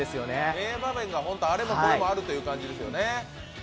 名場面が、本当にあれもこれもあるという感じですよね。